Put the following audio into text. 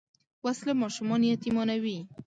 وسله ماشومان یتیمانوي